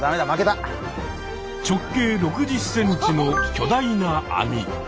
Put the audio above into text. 直径６０ｃｍの巨大な網。